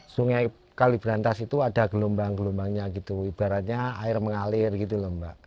sungai kaliberantas itu ada gelombang gelombangnya gitu ibaratnya air mengalir gitu loh mbak